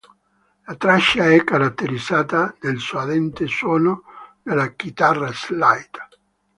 La traccia è caratterizzata dal suadente suono della chitarra slide.